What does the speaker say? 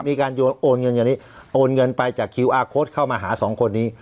มีการโอนเงินอย่างนี้โอนเงินไปจากคิวอาร์โค้ดเข้ามาหาสองคนนี้